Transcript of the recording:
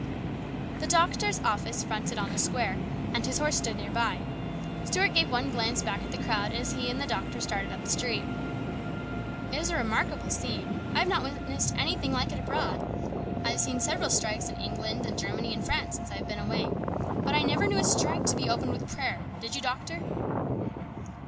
The doctor's office fronted on the square, and his horse stood near by. Stuart gave one glance back at the crowd as he and the doctor started up the street. " It is a remarkable scene. I have not witnessed anything like it abroad. I have seen several strikes in England and Germany and France since I have been away. But I never knew a strike to be opened with prayer, did you, doctor